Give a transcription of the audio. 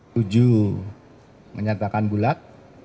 tujuh menyatakan bulat